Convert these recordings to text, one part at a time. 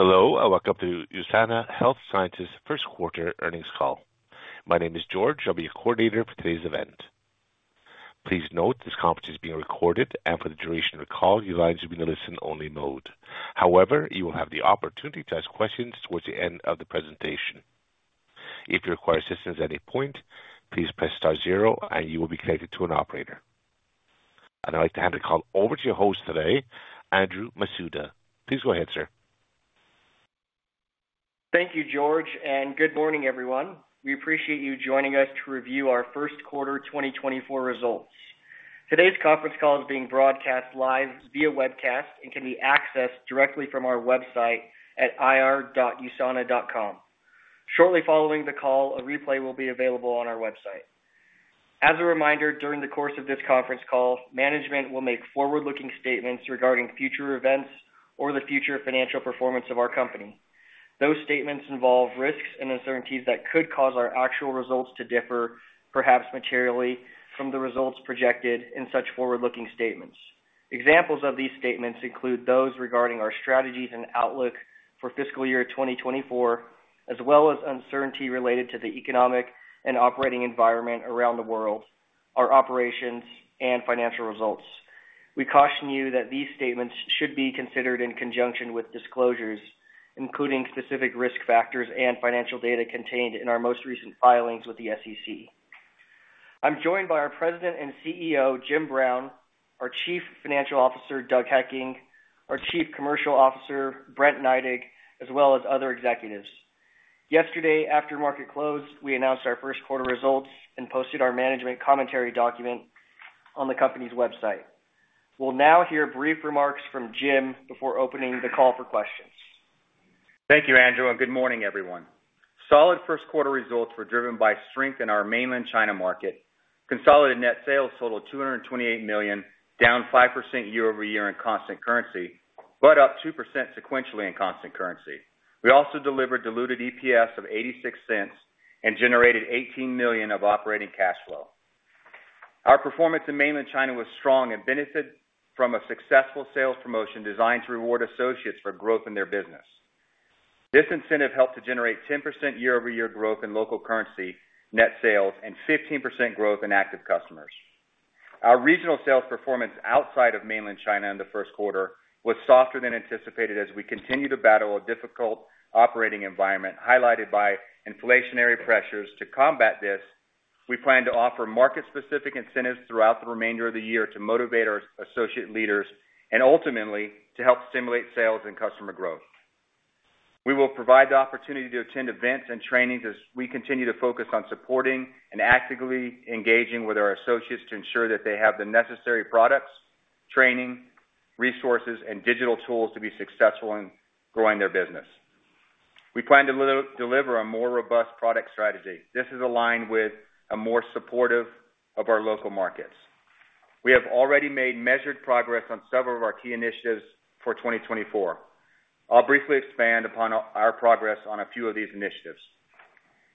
Hello and welcome to USANA Health Sciences first quarter earnings call. My name is George. I'll be your coordinator for today's event. Please note this conference is being recorded and for the duration of the call your lines will be in a listen-only mode. However, you will have the opportunity to ask questions towards the end of the presentation. If you require assistance at any point, please press star zero and you will be connected to an operator. I'd like to hand the call over to your host today, Andrew Masuda. Please go ahead, sir. Thank you, George, and good morning, everyone. We appreciate you joining us to review our first quarter 2024 results. Today's conference call is being broadcast live via webcast and can be accessed directly from our website at ir.usana.com. Shortly following the call, a replay will be available on our website. As a reminder, during the course of this conference call, management will make forward-looking statements regarding future events or the future financial performance of our company. Those statements involve risks and uncertainties that could cause our actual results to differ, perhaps materially, from the results projected in such forward-looking statements. Examples of these statements include those regarding our strategies and outlook for fiscal year 2024, as well as uncertainty related to the economic and operating environment around the world, our operations, and financial results. We caution you that these statements should be considered in conjunction with disclosures, including specific risk factors and financial data contained in our most recent filings with the SEC. I'm joined by our President and CEO, Jim Brown, our Chief Financial Officer, Doug Hekking, our Chief Commercial Officer, Brent Neidig, as well as other executives. Yesterday, after market close, we announced our first quarter results and posted our management commentary document on the company's website. We'll now hear brief remarks from Jim before opening the call for questions. Thank you, Andrew, and good morning, everyone. Solid first quarter results were driven by strength in our Mainland China market. Consolidated net sales totaled $228 million, down 5% year-over-year in constant currency, but up 2% sequentially in constant currency. We also delivered diluted EPS of $0.86 and generated $18 million of operating cash flow. Our performance in Mainland China was strong and benefited from a successful sales promotion designed to reward associates for growth in their business. This incentive helped to generate 10% year-over-year growth in local currency net sales and 15% growth in active customers. Our regional sales performance outside of Mainland China in the first quarter was softer than anticipated as we continue to battle a difficult operating environment. Highlighted by inflationary pressures to combat this, we plan to offer market-specific incentives throughout the remainder of the year to motivate our associate leaders and ultimately to help stimulate sales and customer growth. We will provide the opportunity to attend events and trainings as we continue to focus on supporting and actively engaging with our associates to ensure that they have the necessary products, training, resources, and digital tools to be successful in growing their business. We plan to deliver a more robust product strategy. This is aligned with a more supportive of our local markets. We have already made measured progress on several of our key initiatives for 2024. I'll briefly expand upon our progress on a few of these initiatives.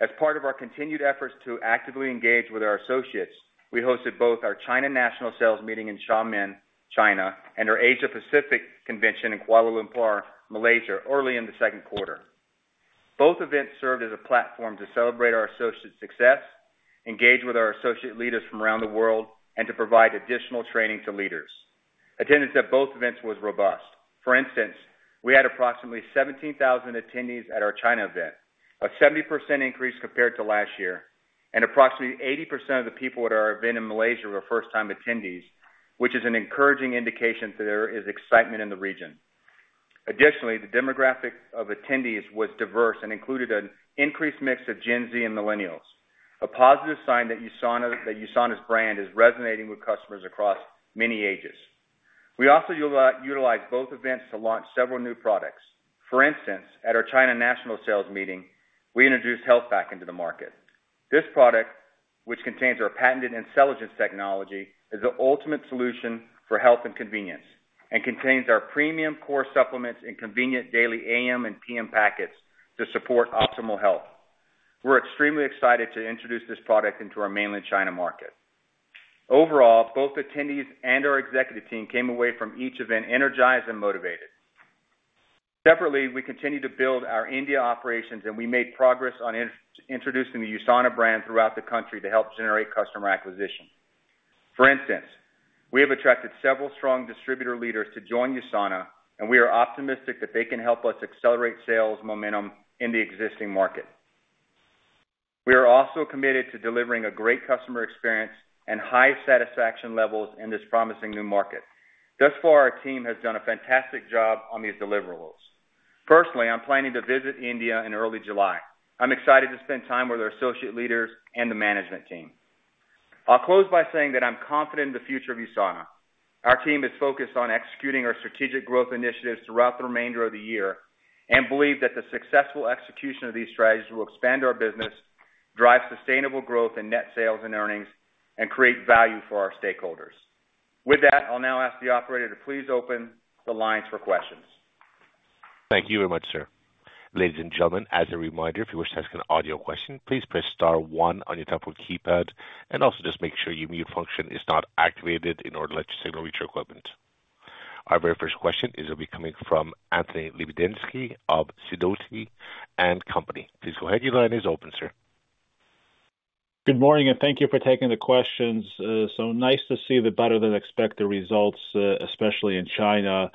As part of our continued efforts to actively engage with our associates, we hosted both our China National Sales Meeting in Xiamen, China, and our Asia Pacific Convention in Kuala Lumpur, Malaysia, early in the second quarter. Both events served as a platform to celebrate our associates' success, engage with our associate leaders from around the world, and to provide additional training to leaders. Attendance at both events was robust. For instance, we had approximately 17,000 attendees at our China event, a 70% increase compared to last year, and approximately 80% of the people at our event in Malaysia were first-time attendees, which is an encouraging indication that there is excitement in the region. Additionally, the demographic of attendees was diverse and included an increased mix of Gen Z and millennials, a positive sign that USANA's brand is resonating with customers across many ages. We also utilized both events to launch several new products. For instance, at our China National Sales Meeting, we introduced HealthPak into the market. This product, which contains our patented InCelligence Technology, is the ultimate solution for health and convenience and contains our premium core supplements in convenient daily AM and PM packets to support optimal health. We're extremely excited to introduce this product into our Mainland China market. Overall, both attendees and our executive team came away from each event energized and motivated. Separately, we continue to build our India operations, and we made progress on introducing the USANA brand throughout the country to help generate customer acquisition. For instance, we have attracted several strong distributor leaders to join USANA, and we are optimistic that they can help us accelerate sales momentum in the existing market. We are also committed to delivering a great customer experience and high satisfaction levels in this promising new market. Thus far, our team has done a fantastic job on these deliverables. Personally, I'm planning to visit India in early July. I'm excited to spend time with our associate leaders and the management team. I'll close by saying that I'm confident in the future of USANA. Our team is focused on executing our strategic growth initiatives throughout the remainder of the year and believe that the successful execution of these strategies will expand our business, drive sustainable growth in net sales and earnings, and create value for our stakeholders. With that, I'll now ask the operator to please open the lines for questions. Thank you very much, sir. Ladies and gentlemen, as a reminder, if you wish to ask an audio question, please press star one on your tablet keypad and also just make sure your mute function is not activated in order to let your signal reach your equipment. Our very first question is going to be coming from Anthony Lebiedzinski of Sidoti & Company. Please go ahead. Your line is open, sir. Good morning, and thank you for taking the questions. So nice to see the better-than-expected results, especially in China.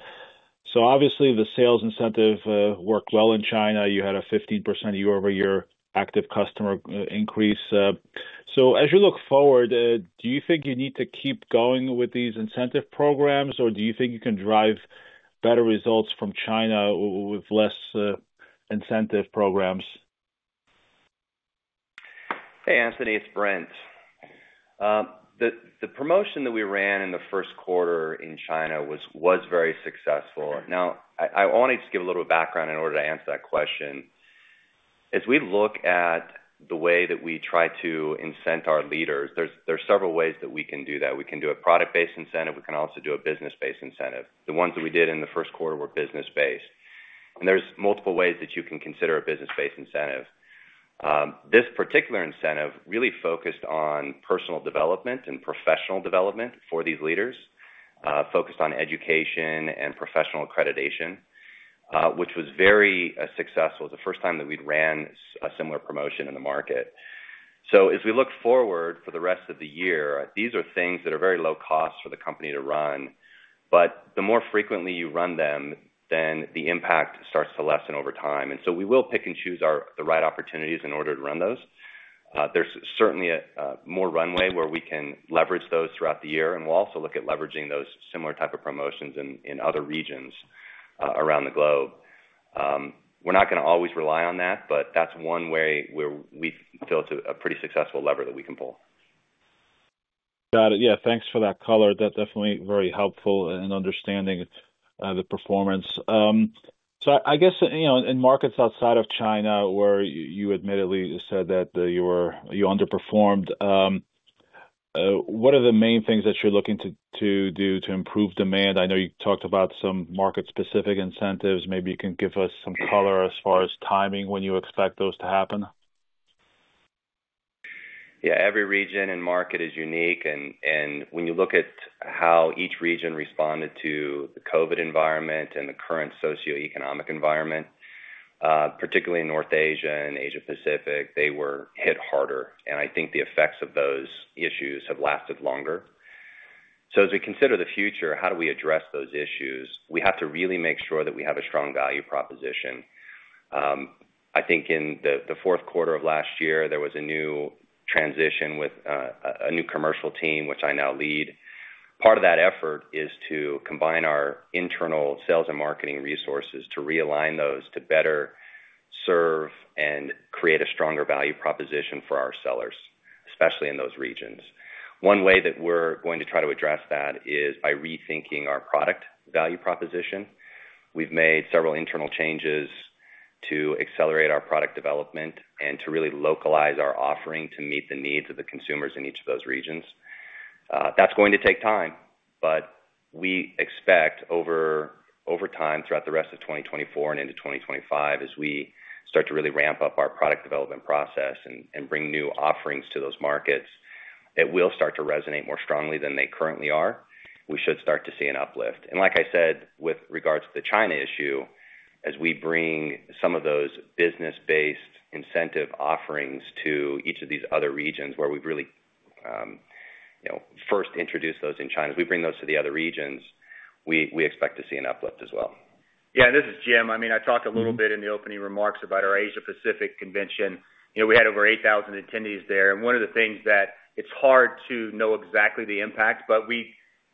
So obviously, the sales incentive worked well in China. You had a 15% year-over-year active customer increase. So as you look forward, do you think you need to keep going with these incentive programs, or do you think you can drive better results from China with less incentive programs? Hey, Anthony. It's Brent. The promotion that we ran in the first quarter in China was very successful. Now, I wanted to give a little bit of background in order to answer that question. As we look at the way that we try to incent our leaders, there are several ways that we can do that. We can do a product-based incentive. We can also do a business-based incentive. The ones that we did in the first quarter were business-based. There are multiple ways that you can consider a business-based incentive. This particular incentive really focused on personal development and professional development for these leaders, focused on education and professional accreditation, which was very successful. It was the first time that we'd run a similar promotion in the market. So as we look forward for the rest of the year, these are things that are very low cost for the company to run, but the more frequently you run them, then the impact starts to lessen over time. And so we will pick and choose the right opportunities in order to run those. There's certainly more runway where we can leverage those throughout the year, and we'll also look at leveraging those similar type of promotions in other regions around the globe. We're not going to always rely on that, but that's one way where we feel it's a pretty successful lever that we can pull. Got it. Yeah, thanks for that color. That's definitely very helpful and understanding the performance. So I guess in markets outside of China where you admittedly said that you underperformed, what are the main things that you're looking to do to improve demand? I know you talked about some market-specific incentives. Maybe you can give us some color as far as timing when you expect those to happen? Yeah, every region and market is unique. When you look at how each region responded to the COVID environment and the current socioeconomic environment, particularly in North Asia and Asia Pacific, they were hit harder. I think the effects of those issues have lasted longer. As we consider the future, how do we address those issues, we have to really make sure that we have a strong value proposition. I think in the fourth quarter of last year, there was a new transition with a new commercial team, which I now lead. Part of that effort is to combine our internal sales and marketing resources to realign those to better serve and create a stronger value proposition for our sellers, especially in those regions. One way that we're going to try to address that is by rethinking our product value proposition. We've made several internal changes to accelerate our product development and to really localize our offering to meet the needs of the consumers in each of those regions. That's going to take time, but we expect over time throughout the rest of 2024 and into 2025, as we start to really ramp up our product development process and bring new offerings to those markets, it will start to resonate more strongly than they currently are. We should start to see an uplift. Like I said, with regards to the China issue, as we bring some of those business-based incentive offerings to each of these other regions where we've really first introduced those in China, as we bring those to the other regions, we expect to see an uplift as well. Yeah, and this is Jim. I mean, I talked a little bit in the opening remarks about our Asia Pacific Convention. We had over 8,000 attendees there. And one of the things that it's hard to know exactly the impact, but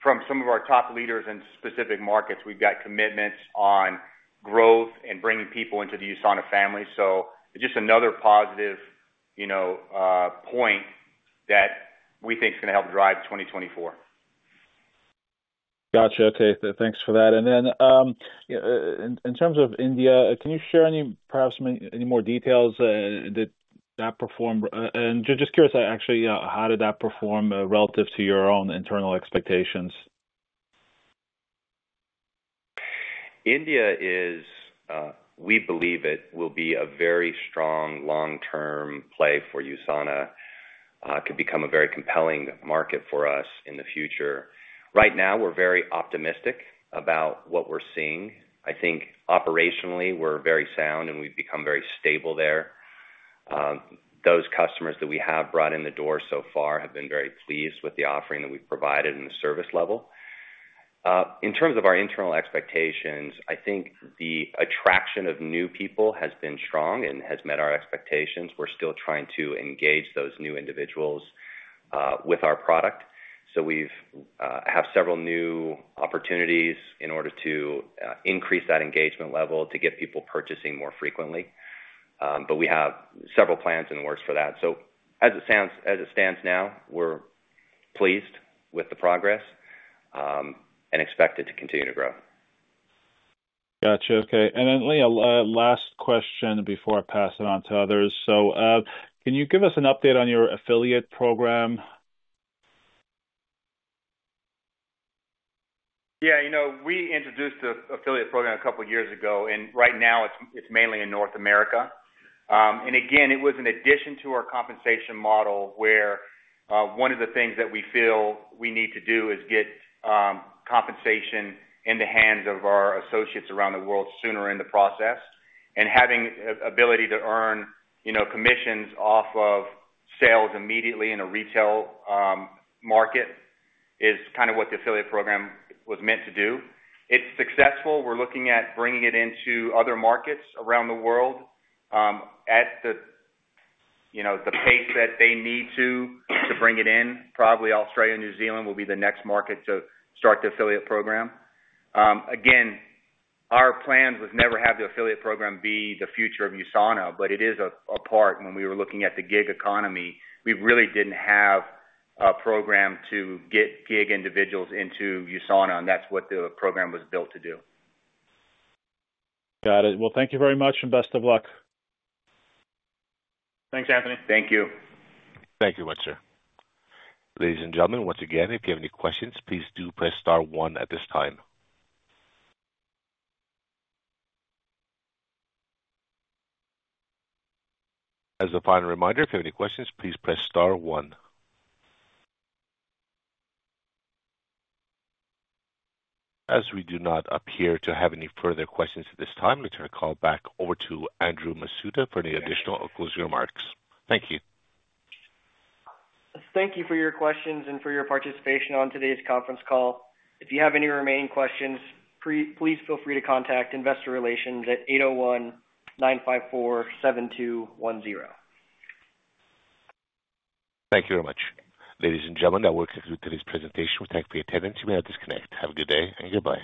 from some of our top leaders in specific markets, we've got commitments on growth and bringing people into the USANA family. So it's just another positive point that we think is going to help drive 2024. Gotcha. Okay, thanks for that. Then in terms of India, can you share perhaps any more details that that performed? Just curious, actually, how did that perform relative to your own internal expectations? India, we believe it will be a very strong long-term play for USANA. It could become a very compelling market for us in the future. Right now, we're very optimistic about what we're seeing. I think operationally, we're very sound, and we've become very stable there. Those customers that we have brought in the door so far have been very pleased with the offering that we've provided and the service level. In terms of our internal expectations, I think the attraction of new people has been strong and has met our expectations. We're still trying to engage those new individuals with our product. So we have several new opportunities in order to increase that engagement level to get people purchasing more frequently. But we have several plans in the works for that. So as it stands now, we're pleased with the progress and expect it to continue to grow. Gotcha. Okay. And then, Leah, last question before I pass it on to others. So can you give us an update on your affiliate program? Yeah, we introduced the affiliate program a couple of years ago, and right now, it's mainly in North America. And again, it was in addition to our compensation model where one of the things that we feel we need to do is get compensation in the hands of our associates around the world sooner in the process. And having the ability to earn commissions off of sales immediately in a retail market is kind of what the affiliate program was meant to do. It's successful. We're looking at bringing it into other markets around the world at the pace that they need to bring it in. Probably Australia and New Zealand will be the next market to start the affiliate program. Again, our plan was never to have the affiliate program be the future of USANA, but it is a part. When we were looking at the gig economy, we really didn't have a program to get gig individuals into USANA, and that's what the program was built to do. Got it. Well, thank you very much and best of luck. Thanks, Anthony. Thank you. Thank you very much, sir. Ladies and gentlemen, once again, if you have any questions, please do press star one at this time. As a final reminder, if you have any questions, please press star one. As we do not appear to have any further questions at this time, I'm going to turn the call back over to Andrew Masuda for any additional or closing remarks. Thank you. Thank you for your questions and for your participation on today's conference call. If you have any remaining questions, please feel free to contact Investor Relations at 801-954-7210. Thank you very much. Ladies and gentlemen, that will conclude today's presentation. We thank you for your attendance. You may now disconnect. Have a good day and goodbye.